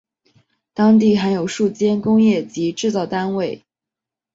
当地还有数间工业及制造单位。